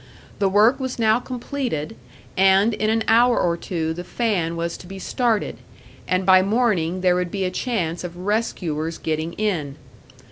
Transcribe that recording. The work was now completed, and in an hour or two the fan was to be started, and by morning there would be a chance of rescuers getting in.